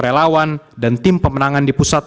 relawan dan tim pemenangan di pusat